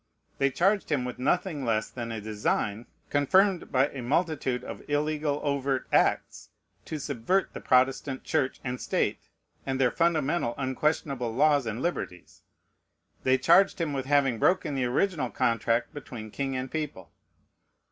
They charged him with nothing less than a design, confirmed by a multitude of illegal overt acts, to subvert the Protestant Church and State, and their fundamental, unquestionable laws and liberties: they charged him with having broken the original contrast between king and people.